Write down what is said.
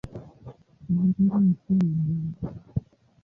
Mhariri mkuu ni Bw.